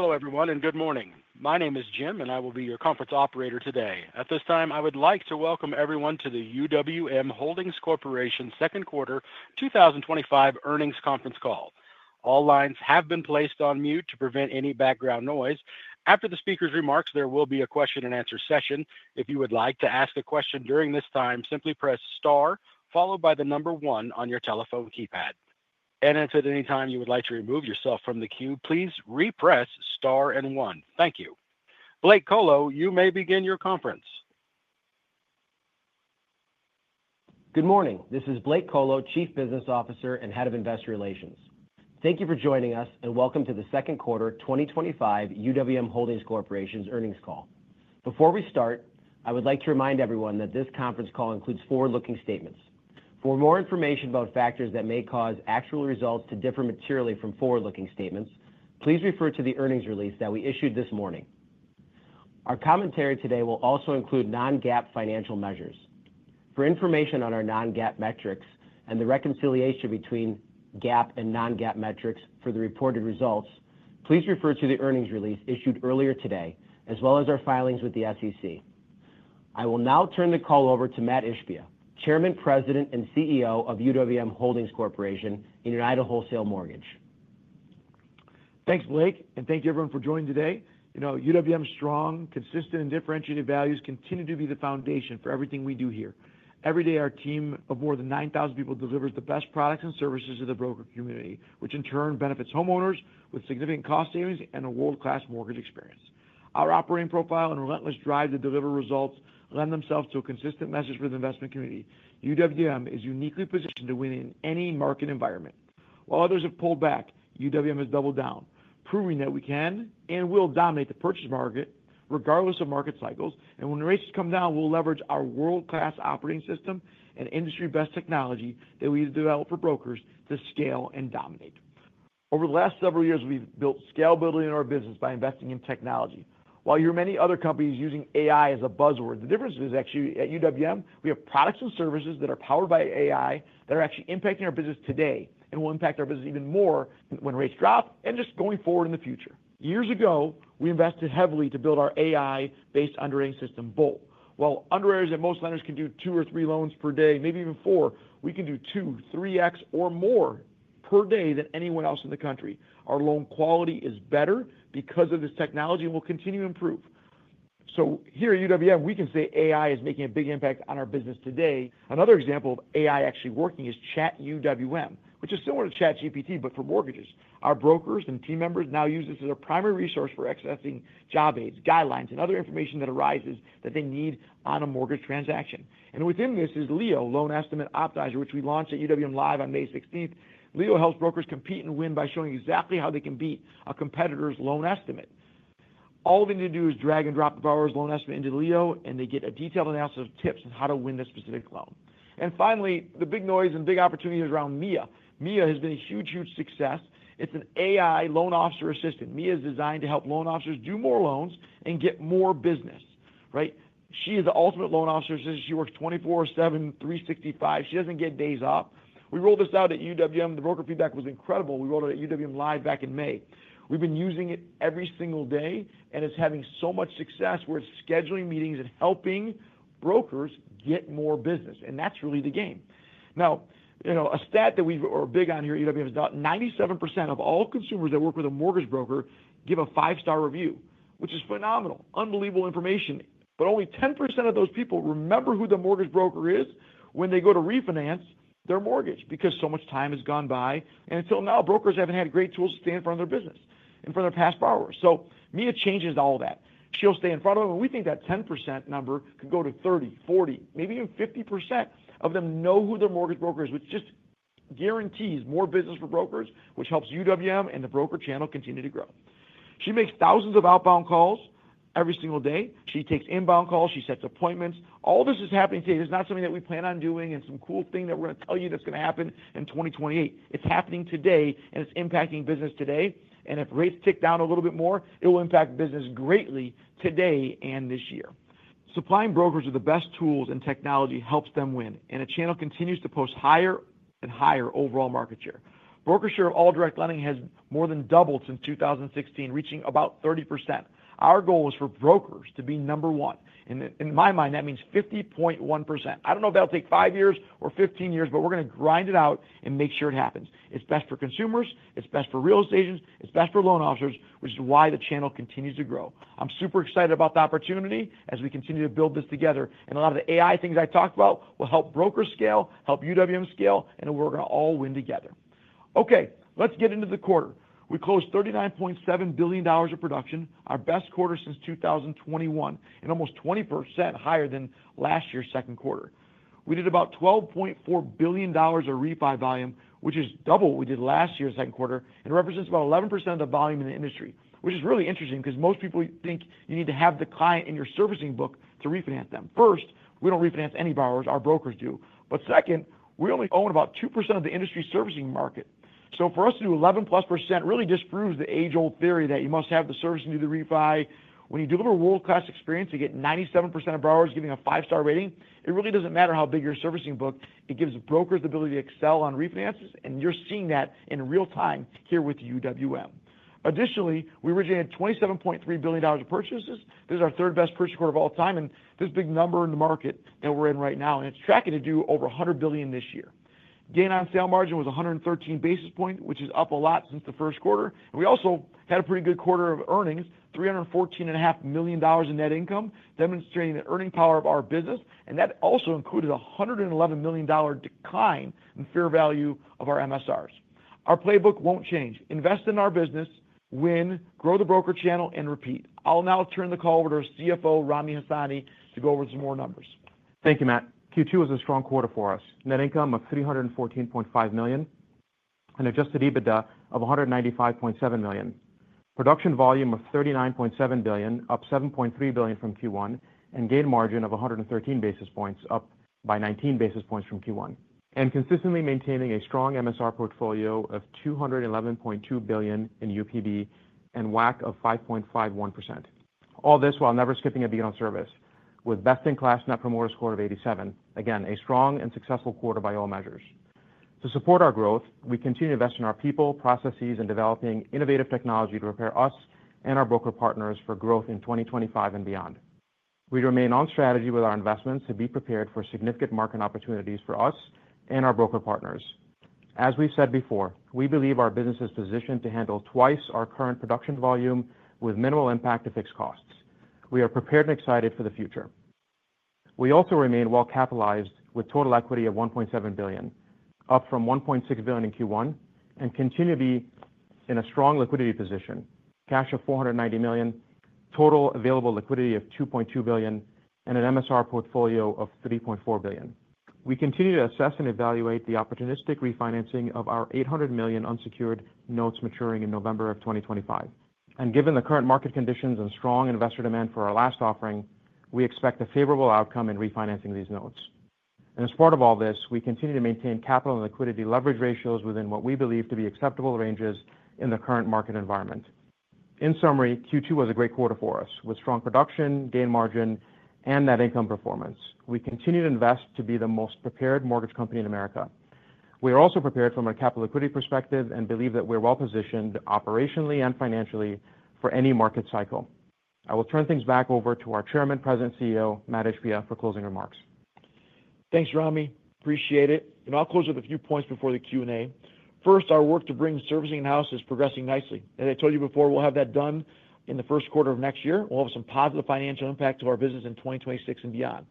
Hello everyone and good morning. My name is Jim and I will be your conference operator today. At this time, I would like to welcome everyone to the UWM Holdings Corporation Second Quarter 2025 Earnings Conference Call. All lines have been placed on mute to prevent any background noise. After the speaker's remarks, there will be a question and answer session. If you would like to ask a question during this time, simply press star followed by the number one on your telephone keypad. If at any time you would like to remove yourself from the queue, please repress star and one. Thank you. Blake Kolo, you may begin your conference. Good morning. This is Blake Kolo, Chief Business Officer and Head of Investor Relations. Thank you for joining us and welcome to the Second Quarter 2025 UWM Holdings Corporation Earnings Call. Before we start, I would like to remind everyone that this conference call includes forward-looking statements. For more information about factors that may cause actual results to differ materially from forward-looking statements, please refer to the earnings release that we issued this morning. Our commentary today will also include non-GAAP financial measures. For information on our non-GAAP metrics and the reconciliation between GAAP and non-GAAP metrics for the reported results, please refer to the earnings release issued earlier today, as well as our filings with the SEC. I will now turn the call over to Mat Ishbia, Chairman, President, and CEO of UWM Holdings Corporation and United Wholesale Mortgage. Thanks, Blake, and thank you everyone for joining today. You know, UWM's strong, consistent, and differentiated values continue to be the foundation for everything we do here. Every day, our team of more than 9,000 people delivers the best products and services to the broker community, which in turn benefits homeowners with significant cost savings and a world-class mortgage experience. Our operating profile and relentless drive to deliver results lend themselves to a consistent message for the investment community. UWM is uniquely positioned to win in any market environment. While others have pulled back, UWM has doubled down, proving that we can and will dominate the purchase market regardless of market cycles. When the rates come down, we'll leverage our world-class operating system and industry-best technology that we develop for brokers to scale and dominate. Over the last several years, we've built scalability in our business by investing in technology. While you hear many other companies using AI as a buzzword, the difference is actually at UWM, we have products and services that are powered by AI that are actually impacting our business today and will impact our business even more when rates drop and just going forward in the future. Years ago, we invested heavily to build our AI-based underwriting system, BOLT. While underwriters at most lenders can do two or three loans per day, maybe even four, we can do two, three X, or more per day than anywhere else in the country. Our loan quality is better because of this technology and will continue to improve. Here at UWM, we can say AI is making a big impact on our business today. Another example of AI actually working is Chat UWM, which is similar to ChatGPT, but for mortgages. Our brokers and team members now use this as a primary resource for accessing job aids, guidelines, and other information that arises that they need on a mortgage transaction. Within this is LEO, Loan Estimate Optimizer, which we launched at UWM LIVE! on May 16th. LEO helps brokers compete and win by showing exactly how they can beat a competitor's loan estimate. All they need to do is drag and drop the borrower's loan estimate into LEO, and they get a detailed analysis of tips on how to win this specific loan. Finally, the big noise and big opportunity is around Mia. Mia has been a huge, huge success. It's an AI loan officer assistant. Mia is designed to help loan officers do more loans and get more business. She is the ultimate loan officer assistant. She works 24/7, 365. She doesn't get days off. We rolled this out at UWM. The broker feedback was incredible. We rolled it at UWM LIVE! back in May. We've been using it every single day, and it's having so much success where it's scheduling meetings and helping brokers get more business. That's really the game. Now, you know, a stat that we are big on here at UWM is about 97% of all consumers that work with a mortgage broker give a five-star review, which is phenomenal. Unbelievable information. Only 10% of those people remember who the mortgage broker is when they go to refinance their mortgage because so much time has gone by. Until now, brokers haven't had great tools to stay in front of their business and for their past borrowers. Mia changes all of that. She'll stay in front of them. We think that 10% number could go to 30%, 40%, maybe even 50% of them know who their mortgage broker is, which just guarantees more business for brokers, which helps UWM and the broker channel continue to grow. She makes thousands of outbound calls every single day. She takes inbound calls. She sets appointments. All this is happening today. It is not something that we plan on doing and some cool thing that we're going to tell you that's going to happen in 2028. It's happening today, and it's impacting business today. If rates tick down a little bit more, it will impact business greatly today and this year. Supplying brokers with the best tools and technology helps them win, and the channel continues to post higher and higher overall market share. Broker share of all direct lending has more than doubled since 2016, reaching about 30%. Our goal is for brokers to be number one. In my mind, that means 50.1%. I don't know if that'll take five years or 15 years, but we're going to grind it out and make sure it happens. It's best for consumers. It's best for real estate agents. It's best for loan officers, which is why the channel continues to grow. I'm super excited about the opportunity as we continue to build this together. A lot of the AI things I talked about will help brokers scale, help UWM scale, and we're going to all win together. Okay, let's get into the quarter. We closed $39.7 billion of production, our best quarter since 2021, and almost 20% higher than last year's second quarter. We did about $12.4 billion of refi volume, which is double what we did last year's second quarter, and represents about 11% of the volume in the industry, which is really interesting because most people think you need to have the client in your servicing book to refinance them. First, we don't refinance any borrowers. Our brokers do. Second, we only own about 2% of the industry servicing market. For us to do 11%+ really disproves the age-old theory that you must have the service to do the refi. When you deliver world-class experience, you get 97% of borrowers giving a five-star rating. It really doesn't matter how big your servicing book is. It gives brokers the ability to excel on refinances, and you're seeing that in real time here with UWM. Additionally, we originated $27.3 billion of purchases. This is our third best purchase quarter of all time, and this big number in the market that we're in right now, and it's tracking to do over $100 billion this year. Gain on sale margin was 113 basis points, which is up a lot since the first quarter. We also had a pretty good quarter of earnings, $314.5 million in net income, demonstrating the earning power of our business. That also included a $111 million decline in fair value of our MSRs. Our playbook won't change. Invest in our business, win, grow the broker channel, and repeat. I'll now turn the call over to our CFO, Rami Hasani, to go over some more numbers. Thank you, Mat. Q2 was a strong quarter for us. Net income of $314.5 million and adjusted EBITDA of $195.7 million. Production volume of $39.7 billion, up $7.3 billion from Q1, and gain margin of 113 basis points, up by 19 basis points from Q1. Consistently maintaining a strong MSR portfolio of $211.2 billion in UPB and WACC of 5.51%. All this while never skipping a beat on service, with best-in-class net promoter score of 87. Again, a strong and successful quarter by all measures. To support our growth, we continue to invest in our people, processes, and develop innovative technology to prepare us and our broker partners for growth in 2025 and beyond. We remain on strategy with our investments to be prepared for significant market opportunities for us and our broker partners. As we said before, we believe our business is positioned to handle twice our current production volume with minimal impact to fixed costs. We are prepared and excited for the future. We also remain well-capitalized with total equity of $1.7 billion, up from $1.6 billion in Q1, and continue to be in a strong liquidity position. Cash of $490 million, total available liquidity of $2.2 billion, and an MSR portfolio of $3.4 billion. We continue to assess and evaluate the opportunistic refinancing of our $800 million unsecured notes maturing in November of 2025. Given the current market conditions and strong investor demand for our last offering, we expect a favorable outcome in refinancing these notes. In support of all this, we continue to maintain capital and liquidity leverage ratios within what we believe to be acceptable ranges in the current market environment. In summary, Q2 was a great quarter for us with strong production, gain margin, and net income performance. We continue to invest to be the most prepared mortgage company in America. We are also prepared from a capital equity perspective and believe that we're well-positioned operationally and financially for any market cycle. I will turn things back over to our Chairman, President, and CEO, Mat Ishbia, for closing remarks. Thanks, Rami. Appreciate it. I'll close with a few points before the Q&A. First, our work to bring servicing in-house is progressing nicely. As I told you before, we'll have that done in the first quarter of next year. We'll have some positive financial impact to our business in 2026 and beyond.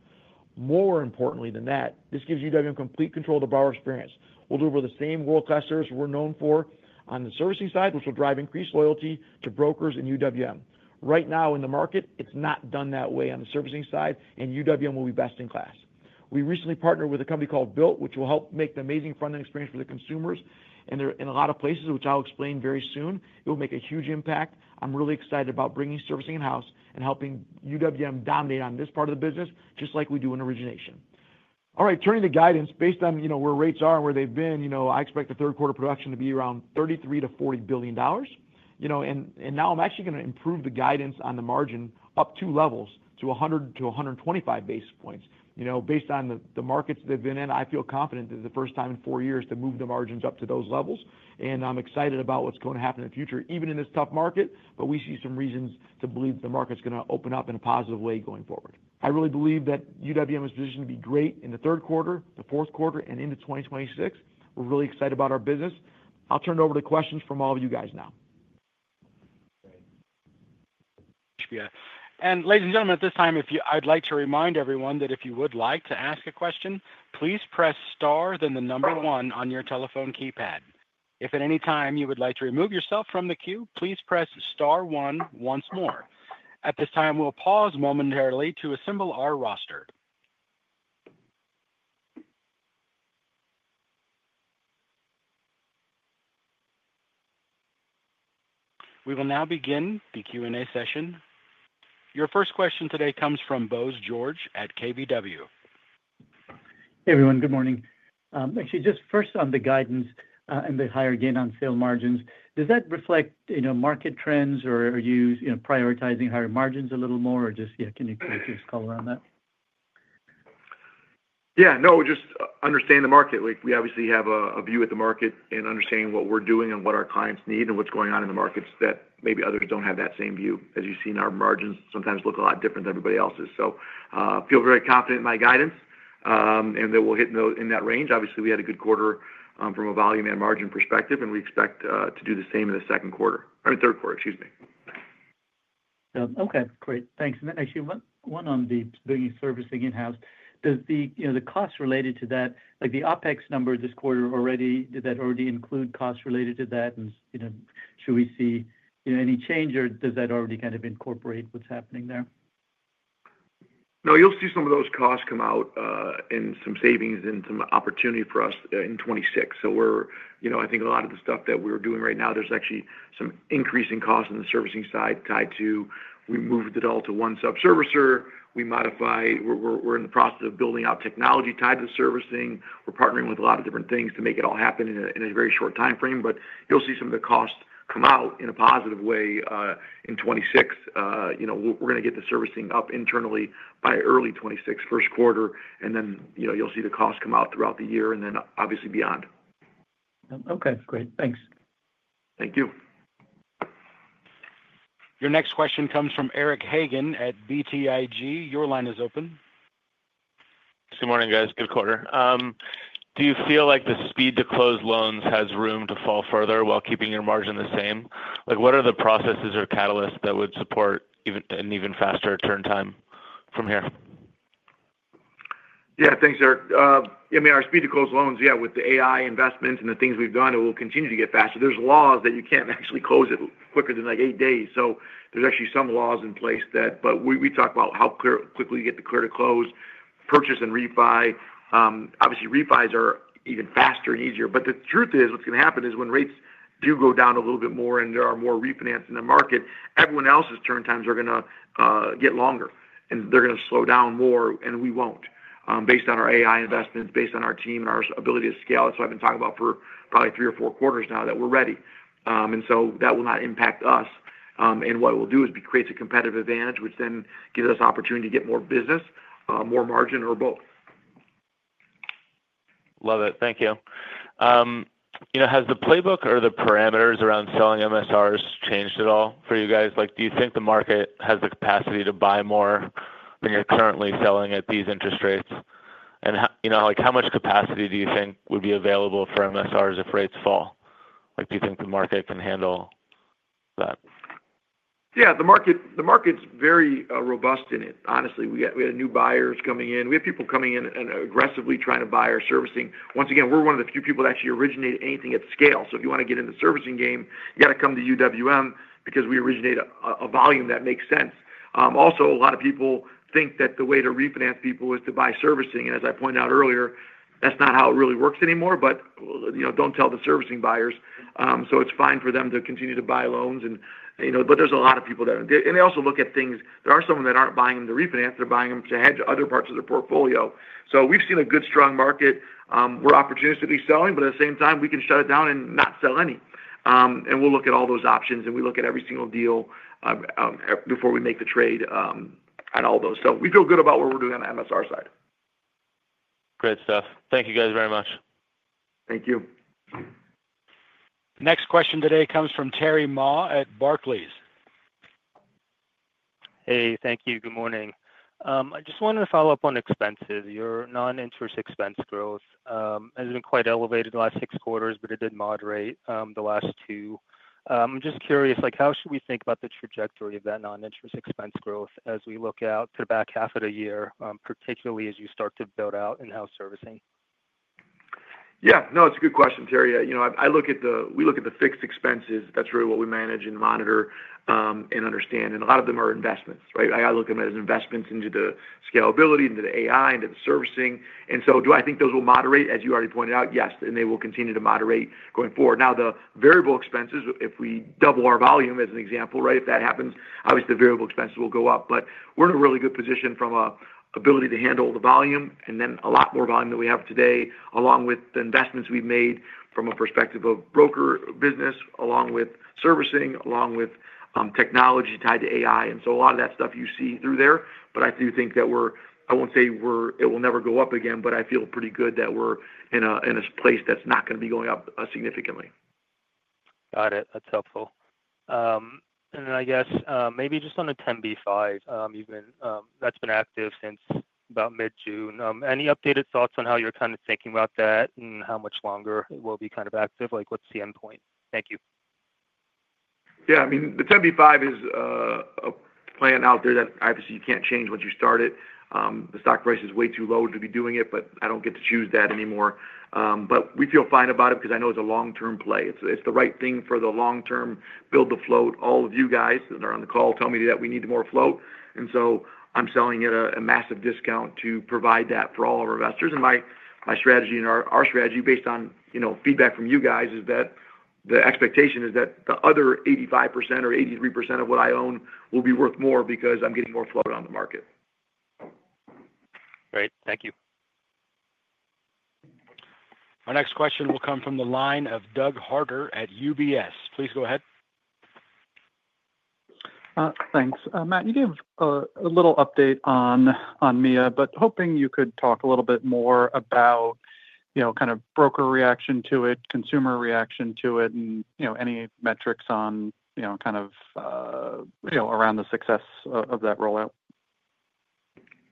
More importantly than that, this gives UWM complete control of the borrower experience. We'll deliver the same world-class service we're known for on the servicing side, which will drive increased loyalty to brokers and UWM. Right now in the market, it's not done that way on the servicing side, and UWM will be best in class. We recently partnered with a company called Bilt, which will help make an amazing front-end experience for the consumers in a lot of places, which I'll explain very soon. It will make a huge impact. I'm really excited about bringing servicing in-house and helping UWM dominate on this part of the business, just like we do in origination. All right, turning to guidance. Based on where rates are and where they've been, I expect the third quarter production to be around $33 billion-$40 billion. Now I'm actually going to improve the guidance on the margin up two levels, to 100-125 basis points. Based on the markets they've been in, I feel confident that it's the first time in four years to move the margins up to those levels. I'm excited about what's going to happen in the future, even in this tough market. We see some reasons to believe that the market's going to open up in a positive way going forward. I really believe that UWM is positioned to be great in the third quarter, the fourth quarter, and into 2026. We're really excited about our business. I'll turn it over to questions from all of you guys now. Ladies and gentlemen, at this time, I'd like to remind everyone that if you would like to ask a question, please press star then the number one on your telephone keypad. If at any time you would like to remove yourself from the queue, please press star one once more. At this time, we'll pause momentarily to assemble our roster. We will now begin the Q&A session. Your first question today comes from Bose George at KBW. Hey everyone, good morning. Just first on the guidance and the higher gain on sale margins. Does that reflect market trends, or are you prioritizing higher margins a little more, or can you put a few skull around that? Yeah, just understanding the market. We obviously have a view of the market and understanding what we're doing and what our clients need and what's going on in the markets that maybe others don't have that same view. As you see, our margins sometimes look a lot different than everybody else's. I feel very confident in my guidance and that we'll hit in that range. Obviously, we had a good quarter from a volume and margin perspective, and we expect to do the same in the second quarter, or third quarter, excuse me. Okay, great, thanks. That actually went one on the bringing servicing in-house. Does the cost related to that, like the OpEx number this quarter already, does that already include costs related to that? Should we see any change, or does that already kind of incorporate what's happening there? No, you'll see some of those costs come out in some savings and some opportunity for us in 2026. I think a lot of the stuff that we're doing right now, there's actually some increasing costs in the servicing side tied to we moved it all to one sub-servicer. We modify, we're in the process of building out technology tied to the servicing. We're partnering with a lot of different things to make it all happen in a very short timeframe. You'll see some of the costs come out in a positive way in 2026. We're going to get the servicing up internally by early 2026, first quarter. You'll see the costs come out throughout the year and obviously beyond. Okay, great, thanks. Thank you. Your next question comes from Eric Hagen at BTIG. Your line is open. Good morning, guys. Good quarter. Do you feel like the speed to close loans has room to fall further while keeping your margin the same? What are the processes or catalysts that would support an even faster return time from here? Yeah, thanks, Eric. I mean, our speed to close loans, yeah, with the AI investments and the things we've done, it will continue to get faster. There are laws that you can't actually close it quicker than like eight days. There are actually some laws in place that, but we talk about how quickly you get the quarter to close, purchase, and refi. Obviously, refis are even faster and easier. The truth is, what's going to happen is when rates do go down a little bit more and there are more refinancing in the market, everyone else's turn times are going to get longer and they're going to slow down more and we won't. Based on our AI investments, based on our team and our ability to scale, that's what I've been talking about for probably three or four quarters now that we're ready. That will not impact us. What it will do is create a competitive advantage, which then gives us the opportunity to get more business, more margin, or both. Love it. Thank you. Has the playbook or the parameters around selling MSRs changed at all for you guys? Do you think the market has the capacity to buy more than you're currently selling at these interest rates? How much capacity do you think would be available for MSRs if rates fall? Do you think the market can handle that? Yeah, the market's very robust in it. Honestly, we got new buyers coming in. We have people coming in and aggressively trying to buy our servicing. Once again, we're one of the few people that actually originated anything at scale. If you want to get in the servicing game, you got to come to UWM because we originate a volume that makes sense. Also, a lot of people think that the way to refinance people is to buy servicing. As I pointed out earlier, that's not how it really works anymore. You know, don't tell the servicing buyers. It's fine for them to continue to buy loans. There's a lot of people that, and they also look at things. There are some of them that aren't buying them to refinance. They're buying them to hedge other parts of their portfolio. We've seen a good strong market. We're opportunistically selling, but at the same time, we can shut it down and not sell any. We'll look at all those options, and we look at every single deal before we make the trade at all those. We feel good about what we're doing on the MSR side. Great stuff. Thank you guys very much. Thank you. Next question today comes from Terry Ma at Barclays. Hey, thank you. Good morning. I just wanted to follow up on expenses. Your non-interest expense growth has been quite elevated in the last six quarters, but it did moderate the last two. I'm just curious, how should we think about the trajectory of that non-interest expense growth as we look out to the back half of the year, particularly as you start to build out in-house servicing? Yeah, no, it's a good question, Terry. I look at the, we look at the fixed expenses. That's really what we manage and monitor and understand. A lot of them are investments, right? I look at them as investments into the scalability, into the AI, into the servicing. Do I think those will moderate? As you already pointed out, yes, and they will continue to moderate going forward. Now, the variable expenses, if we double our volume as an example, if that happens, obviously the variable expenses will go up. We're in a really good position from an ability to handle the volume and then a lot more volume than we have today, along with the investments we've made from a perspective of broker business, along with servicing, along with technology tied to AI. A lot of that stuff you see through there. I do think that we're, I won't say it will never go up again, but I feel pretty good that we're in a place that's not going to be going up significantly. Got it. That's helpful. I guess maybe just on the 10b5, that's been active since about mid-June. Any updated thoughts on how you're kind of thinking about that and how much longer it will be active? What's the endpoint? Thank you. Yeah, I mean, the 10b5 is a plan out there that obviously you can't change once you start it. The stock price is way too low to be doing it, but I don't get to choose that anymore. We feel fine about it because I know it's a long-term play. It's the right thing for the long-term, build the float. All of you guys that are on the call tell me that we need more float. I'm selling it at a massive discount to provide that for all of our investors. My strategy and our strategy, based on feedback from you guys, is that the expectation is that the other 85% or 83% of what I own will be worth more because I'm getting more float on the market. Great. Thank you. Our next question will come from the line of Doug Harter at UBS. Please go ahead. Thanks. Mat, you gave a little update on Mia, but hoping you could talk a little bit more about, you know, kind of broker reaction to it, consumer reaction to it, and any metrics on, you know, kind of, you know, around the success of that rollout.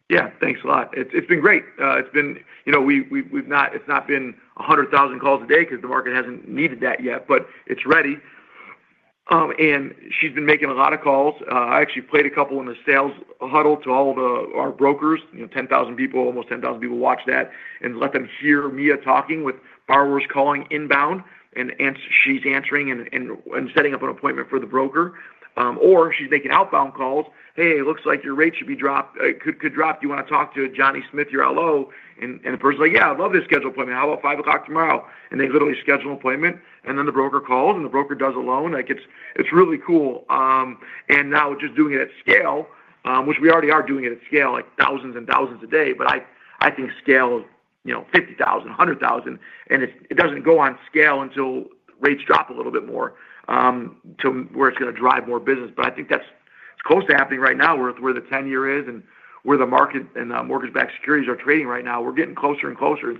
Yeah, thanks a lot. It's been great. It's been, you know, we've not, it's not been 100,000 calls a day because the market hasn't needed that yet, but it's ready. She's been making a lot of calls. I actually played a couple in the sales huddle to all of our brokers, you know, 10,000 people, almost 10,000 people watched that, and let them hear Mia talking with borrowers calling inbound, and she's answering and setting up an appointment for the broker. Or she's making outbound calls. Hey, it looks like your rate should be dropped, could drop. Do you want to talk to Johnny Smith, your LO? The person's like, yeah, I'd love to schedule an appointment. How about 5:00 P.M. tomorrow? They literally schedule an appointment. The broker calls, and the broker does a loan. It's really cool. Now just doing it at scale, which we already are doing at scale, like thousands and thousands a day. I think scale is, you know, 50,000, 100,000. It doesn't go on scale until rates drop a little bit more to where it's going to drive more business. I think that's close to happening right now where the 10-year is and where the market and mortgage-backed securities are trading right now. We're getting closer and closer.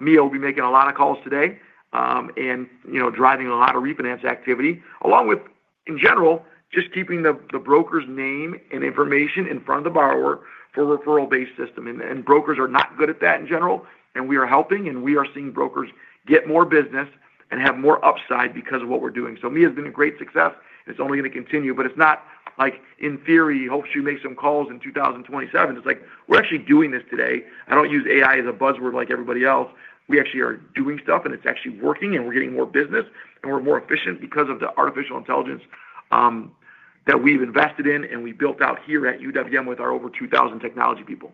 Mia will be making a lot of calls today and, you know, driving a lot of refinance activity, along with, in general, just keeping the broker's name and information in front of the borrower for the referral-based system. Brokers are not good at that in general. We are helping, and we are seeing brokers get more business and have more upside because of what we're doing. Mia has been a great success. It's only going to continue, but it's not like in theory he hopes you make some calls in 2027. We're actually doing this today. I don't use AI as a buzzword like everybody else. We actually are doing stuff, and it's actually working, and we're getting more business, and we're more efficient because of the artificial intelligence that we've invested in and we built out here at UWM with our over 2,000 technology people.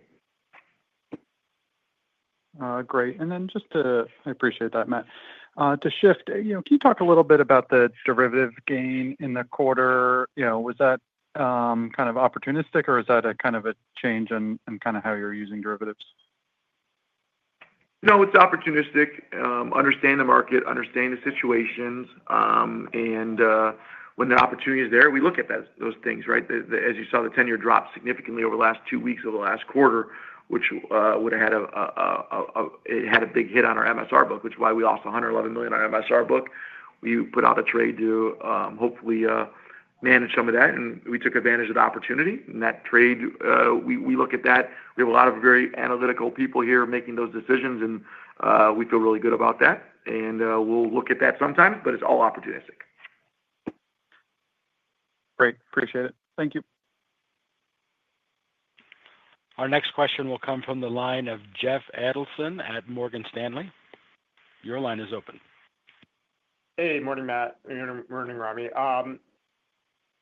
Great. I appreciate that, Mat, to shift, can you talk a little bit about the derivative gain in the quarter? Was that kind of opportunistic, or is that a change in how you're using derivatives? No, it's opportunistic. Understand the market, understand the situations. When the opportunity is there, we look at those things, right? As you saw, the 10-year dropped significantly over the last two weeks of the last quarter, which would have had a big hit on our MSR book, which is why we lost $111 million on our MSR book. We put out a trade to hopefully manage some of that, and we took advantage of the opportunity. That trade, we look at that. We have a lot of very analytical people here making those decisions, and we feel really good about that. We'll look at that sometimes, but it's all opportunistic. Great. Appreciate it. Thank you. Our next question will come from the line of Jeff Adelson at Morgan Stanley. Your line is open. Hey, morning, Mat. Morning, Rami. I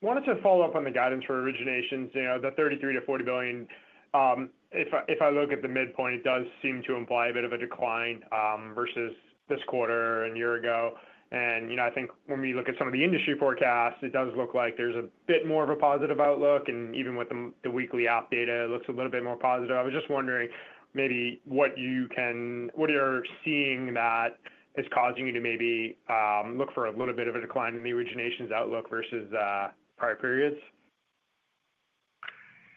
wanted to follow up on the guidance for originations, you know, the $33 billion-$40 billion. If I look at the midpoint, it does seem to imply a bit of a decline versus this quarter and a year ago. I think when we look at some of the industry forecasts, it does look like there's a bit more of a positive outlook. Even with the weekly app data, it looks a little bit more positive. I was just wondering maybe what you can, what you're seeing that is causing you to maybe look for a little bit of a decline in the originations outlook versus prior periods.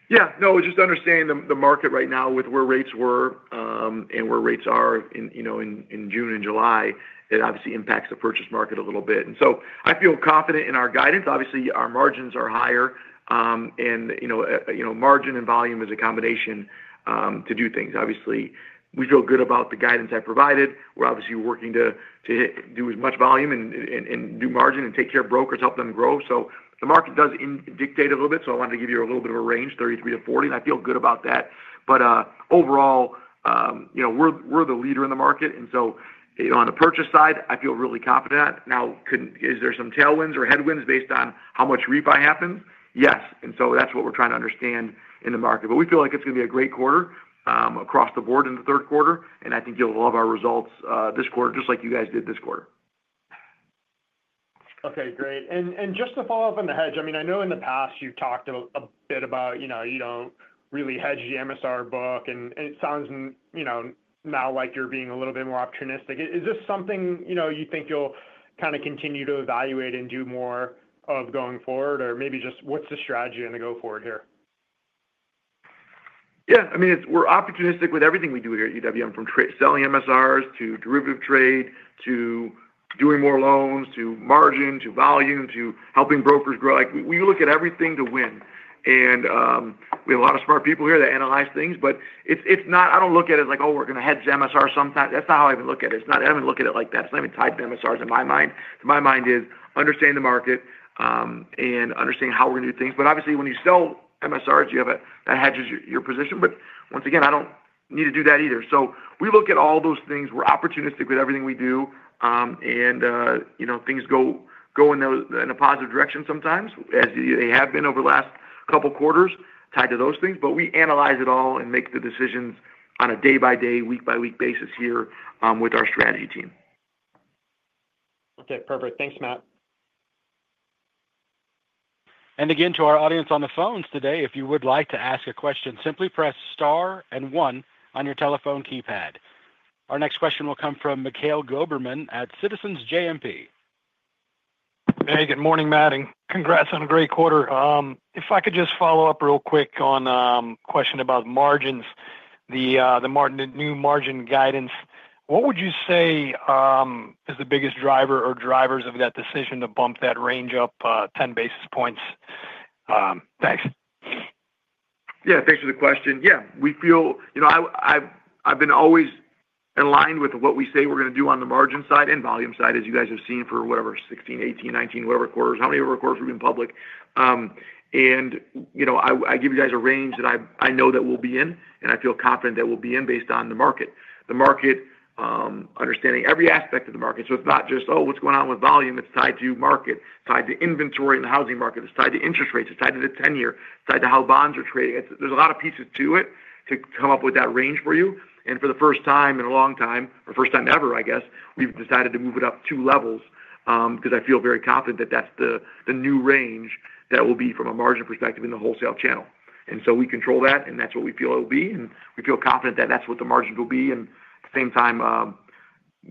Yeah, no, it was just understanding the market right now with where rates were and where rates are in, you know, in June and July. It obviously impacts the purchase market a little bit. I feel confident in our guidance. Obviously, our margins are higher. Margin and volume is a combination to do things. We feel good about the guidance I provided. We're working to do as much volume and do margin and take care of brokers, help them grow. The market does dictate a little bit. I wanted to give you a little bit of a range, $33 billion-$40 billion. I feel good about that. Overall, we're the leader in the market. On the purchase side, I feel really confident. Now, is there some tailwinds or headwinds based on how much refi happened? Yes. That's what we're trying to understand in the market. We feel like it's going to be a great quarter across the board in the third quarter. I think you'll love our results this quarter, just like you guys did this quarter. Okay, great. Just to follow up on the hedge, I know in the past you've talked a bit about, you know, you don't really hedge the MSR book. It sounds now like you're being a little bit more opportunistic. Is this something you think you'll kind of continue to evaluate and do more of going forward, or maybe just what's the strategy on the go forward here? Yeah, I mean, we're opportunistic with everything we do here at UWM, from selling MSRs to derivative trade, to doing more loans, to margin, to volume, to helping brokers grow. We look at everything to win. We have a lot of smart people here that analyze things. It's not, I don't look at it as like, oh, we're going to hedge the MSR sometimes. That's not how I even look at it. I don't even look at it like that. It's not even tied to MSRs in my mind. My mind is understanding the market and understanding how we're going to do things. Obviously, when you sell MSRs, you have that hedges your position. Once again, I don't need to do that either. We look at all those things. We're opportunistic with everything we do. Things go in a positive direction sometimes, as they have been over the last couple of quarters, tied to those things. We analyze it all and make the decisions on a day-by-day, week-by-week basis here with our strategy team. Okay, perfect. Thanks, Mat. To our audience on the phones today, if you would like to ask a question, simply press star and one on your telephone keypad. Our next question will come from Mikhail Goberman at Citizens JMP. Hey, good morning, Mat. Congrats on a great quarter. If I could just follow up real quick on a question about margins, the new margin guidance, what would you say is the biggest driver or drivers of that decision to bump that range up 10 basis points? Thanks. Yeah, thanks for the question. We feel, you know, I've been always aligned with what we say we're going to do on the margin side and volume side, as you guys have seen for whatever, 16, 18, 19, whatever quarters we've been public. I give you guys a range that I know that we'll be in, and I feel confident that we'll be in based on the market. The market, understanding every aspect of the market. It's not just, oh, what's going on with volume? It's tied to market, tied to inventory in the housing market, it's tied to interest rates, it's tied to the 10-year, it's tied to how bonds are trading. There's a lot of pieces to it to come up with that range for you. For the first time in a long time, or first time ever, I guess, we've decided to move it up two levels because I feel very confident that that's the new range that will be from a margin perspective in the wholesale channel. We control that, and that's what we feel it will be. We feel confident that that's what the margins will be. At the same time,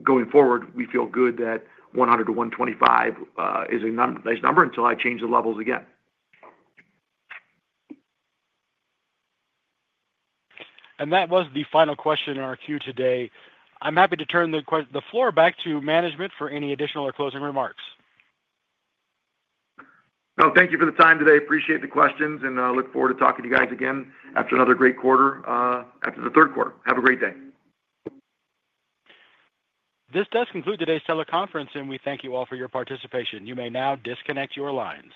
going forward, we feel good that 100-125 is a nice number until I change the levels again. That was the final question in our queue today. I'm happy to turn the floor back to management for any additional or closing remarks. Thank you for the time today. Appreciate the questions, and I look forward to talking to you guys again after another great quarter, after the third quarter. Have a great day. This does conclude today's teleconference, and we thank you all for your participation. You may now disconnect your lines.